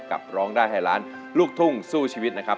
ร้องได้ให้ล้านลูกทุ่งสู้ชีวิตนะครับ